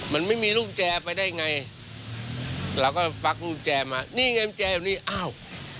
มันไม่มีกุมแจไปได้ยังไงเราก็พักกุมแจมานี่ไงมันจ่ายอยู่นี้อ้าว